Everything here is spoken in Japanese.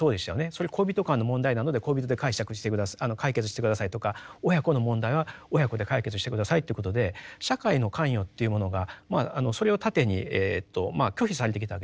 それ恋人間の問題なので恋人で解決して下さいとか親子の問題は親子で解決して下さいということで社会の関与っていうものがそれを盾に拒否されてきたわけです。